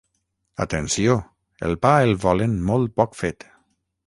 Atenció, el pa el volen molt poc fet.